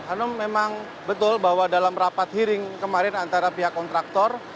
hanum memang betul bahwa dalam rapat hearing kemarin antara pihak kontraktor